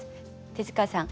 手塚さん